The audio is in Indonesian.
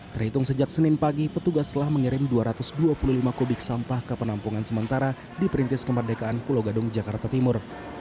terhitung sejak senin pagi petugas telah mengirim dua ratus dua puluh lima kubik sampah ke penampungan sementara di perintis kemerdekaan pulau gadung jakarta timur